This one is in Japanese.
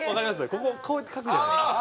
こここうやって描くじゃないですか。